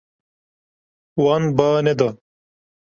Wan ba neda.